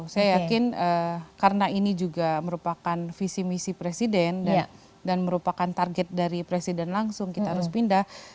saya yakin karena ini juga merupakan visi misi presiden dan merupakan target dari presiden langsung kita harus pindah